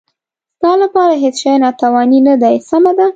ستا لپاره هېڅ شی تاواني نه دی، سمه ده.